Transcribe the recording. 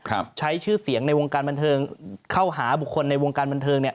ครับใช้ชื่อเสียงในวงการบันเทิงเข้าหาบุคคลในวงการบันเทิงเนี้ย